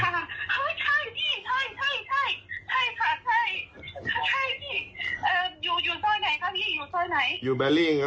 ใช่พี่อยู่ซ่อยไหนค่ะพี่อยู่ซ่อยไหน